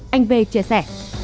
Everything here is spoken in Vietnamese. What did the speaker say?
anh v chia sẻ